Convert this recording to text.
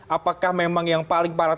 apakah memang yang paling parah